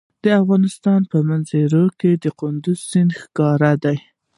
د افغانستان په منظره کې کندز سیند ښکاره ده.